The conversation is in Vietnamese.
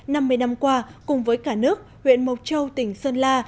năm mươi năm qua cùng với cả nước huyện mộc châu tỉnh sơn la